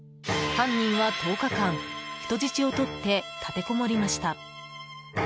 犯人は１０日間、人質をとって立てこもりました。